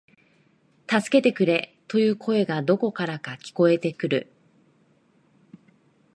助けてくれ、という声がどこからか聞こえてくる